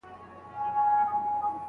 سړی په کوټه کې کیني او ساه اخلي.